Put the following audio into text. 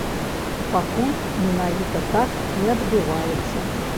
Пакуль менавіта так і адбываецца.